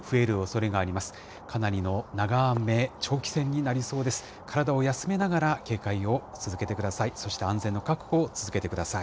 体を休めながら警戒を続けてください。